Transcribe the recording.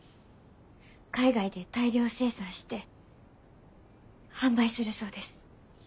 海外で大量生産して販売するそうです。